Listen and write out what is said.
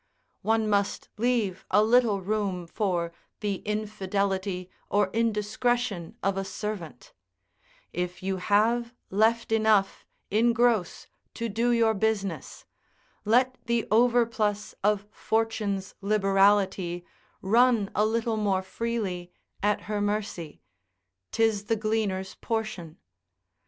One must leave a little room for the infidelity or indiscretion of a servant; if you have left enough, in gross, to do your business, let the overplus of Fortune's liberality run a little more freely at her mercy; 'tis the gleaner's portion.